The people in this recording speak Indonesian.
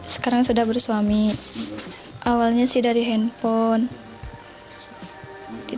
sekarang sudah bersuami awalnya sih dari handphone